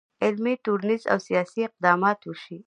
علمي، ټولنیز، او سیاسي اقدامات وشي.